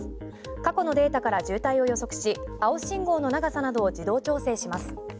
過去のデータから渋滞を予測し青信号の長さなどを自動調整します。